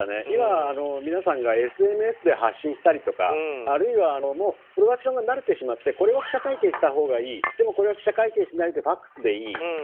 今は皆さんがＳＮＳで発信したりとかあるいはプロダクションが慣れてしまってこれは記者会見したほうがいいでもこれは記者会見しないでファックスでいい。